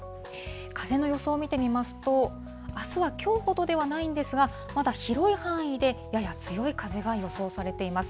風の予想を見てみますと、あすはきょうほどではないんですが、まだ広い範囲でやや強い風が予想されています。